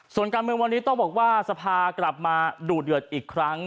ส่วนการเมืองวันนี้ต้องบอกว่าสภากลับมาดูเดือดอีกครั้ง